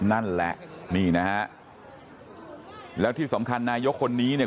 นั่นแหละนี่นะฮะแล้วที่สำคัญนายกคนนี้เนี่ย